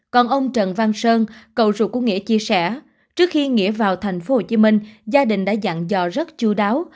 còn ông trần văn sơn cậu ruột của nghĩa chia sẻ trước khi nghĩa vào thành phố hồ chí minh gia đình đã dặn dò rất chú đáo